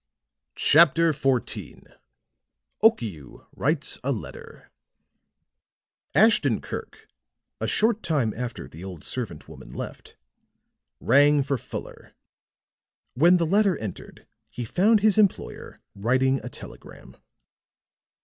CHAPTER XIV OKIU WRITES A LETTER Ashton Kirk, a short time after the old servant woman left, rang for Fuller. When the latter entered he found his employer writing a telegram.